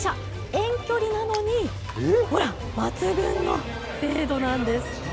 遠距離なのに、ほら、抜群の精度なんです。